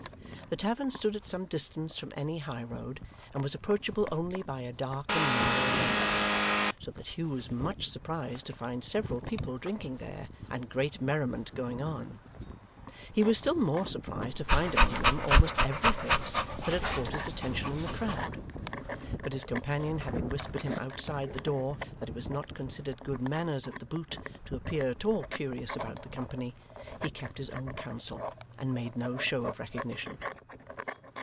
The tavern stood at some distance from any high road, and was approachable only by a dark and narrow lane; so that Hugh was much surprised to find several people drinking there, and great merriment going on. He was still more surprised to find among them almost every face that had caught his attention in the crowd; but his companion having whispered him outside the door, that it was not considered good manners at The Boot to appear at all curious about the company, he kept his own counsel, and made no show of recognition.